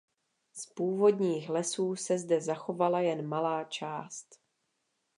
Z původních lesů se zde zachovala jen malá část.